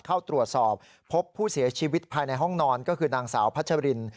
เข้าตรวจสอบพบผู้เสียชีวิตภายในห้องนอนก็คือนางสาวพัชริน